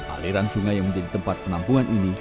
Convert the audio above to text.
aliran sungai yang menjadi tempat penampungan ini